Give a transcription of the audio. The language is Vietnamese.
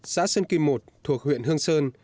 xã sơn kim một thuộc huyện hương sơn